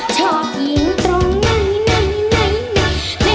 ชอบอีกตรงไหนไหนไหนไหน